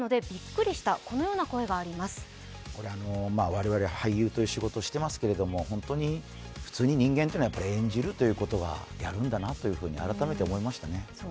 我々、俳優という仕事をしてますけど本当に普通に人間というのは演じるということをやるんだなと改めて思いましたね。